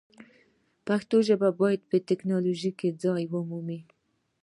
پښتو ژبه باید په ټکنالوژۍ کې ځای ومومي.